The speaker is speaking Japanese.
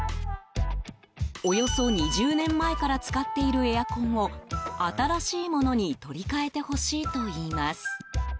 およそ２０年前から使っているエアコンを新しいものに取り替えてほしいといいます。